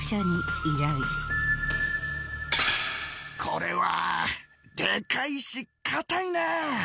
これはでかいし硬いな。